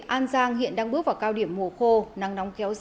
an giang hiện đang bước vào cao điểm mùa khô